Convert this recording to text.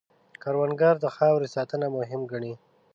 کروندګر د خاورې ساتنه مهم ګڼي